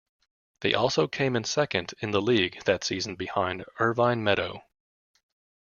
They also came in second in the league that season behind Irvine Meadow.